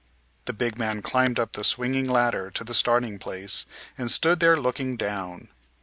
The big man climbed up the swinging ladder to the starting place, and stood there looking down.